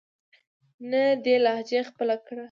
نه دې لهجه خپله ده.